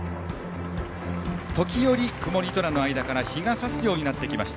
時折、曇り空の間から日が差すようになってきました。